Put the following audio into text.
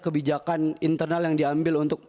kebijakan internal yang diambil untuk